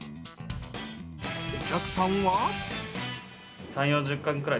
お客さんは？